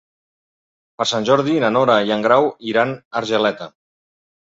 Per Sant Jordi na Nora i en Grau iran a Argeleta.